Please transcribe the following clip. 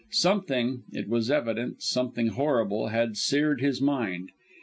Something, it was evident something horrible had seared his mind.